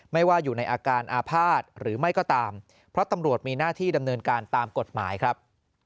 ไม่ว่าอยู่ในอาการอาภาษณ์หรือไม่ก็ตามเพราะตำรวจมีหน้าที่ดำเนินการตามกฎหมายครับ